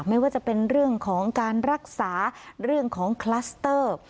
ไม่ว่าจะเป็นเรื่องของการรักษาเรื่องของคลัสเตอร์